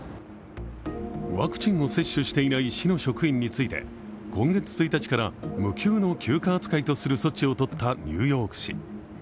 ワクチンを接種していない市の職員について、今月１日から無給の休暇扱いをした措置をとったニューヨーク市。